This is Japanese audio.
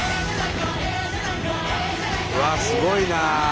うわっすごいな。